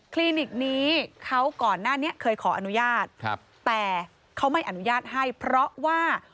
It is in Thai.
ลินิกนี้เขาก่อนหน้านี้เคยขออนุญาตครับแต่เขาไม่อนุญาตให้เพราะว่า